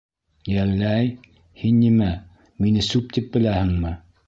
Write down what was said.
— Йәллә-әй?.. һин нимә, мине сүп тип беләһеңме?